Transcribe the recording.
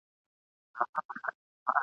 چا وویل چي ملالۍ نومیالۍ وه.